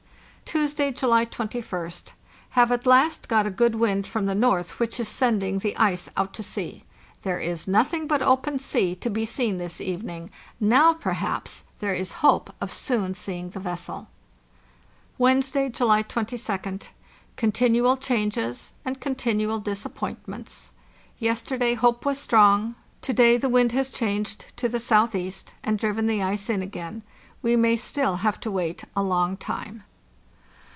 " Tuesday, July 21st. Have at last got a good wind from the north which is sending the ice out to sea, There is nothing but open sea to be seen this evening; now perhaps there is hope of soon seeing the vessel. "Wednesday, July 22d. Continual changes and con tinual disappointments. Yesterday hope was strong; to day the wind has changed to the southeast, and driven the ice in again. We may still have to wait a long time.